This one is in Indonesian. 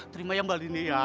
terima ya mbak lini ya